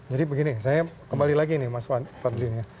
jadi begini saya kembali lagi nih mas fadli